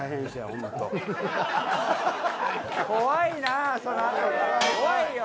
ホント怖いなそのあとが怖いよ・